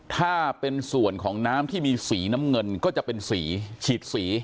ถ้าเป็นส่วนของน้ำที่มีสีน้ำเงินก็จะเป็นสีฉีดสี